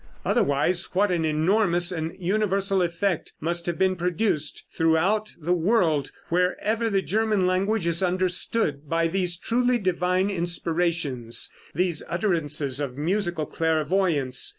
Otherwise, what an enormous and universal effect must have been produced throughout the world, wherever the German language is understood, by these truly divine inspirations, these utterances of musical clairvoyance.